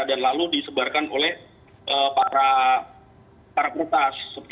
dan lalu disebarkan oleh para perutas